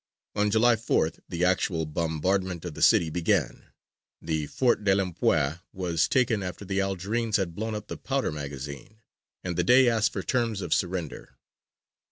On July 4th, the actual bombardment of the city began; the Fort de l'Empereur was taken, after the Algerines had blown up the powder magazine; and the Dey asked for terms of surrender.